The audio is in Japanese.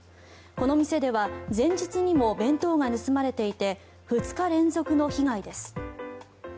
この店では前日にも弁当が盗まれていて２日連続の被害です。